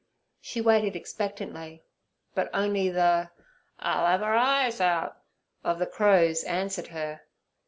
She waited expectantly, but only the 'I'll 'ave 'er eyes out!' of the crows answered her.